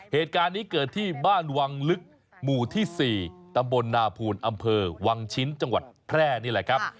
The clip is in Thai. เหตุการณ์นี้เกิดที่บ้านวังลึกหมู่ที่๔ตำบลนาภูลอำเภอวังชิ้นจังหวัดแพร่นี่แหละครับ